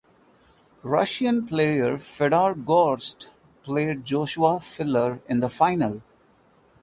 Russian player Fedor Gorst played Joshua Filler in the final.